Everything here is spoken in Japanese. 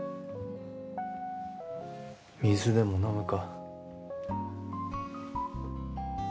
水でも飲むか？